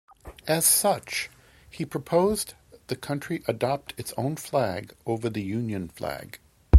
As such, he proposed the country adopt its own flag over the Union Flag.